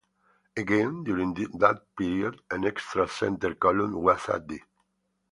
Again, during that period, an extra center column was added.